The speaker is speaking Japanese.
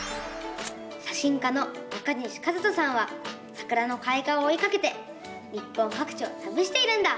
写真家の中西一登さんはさくらのかい花をおいかけて日本かく地をたびしているんだ！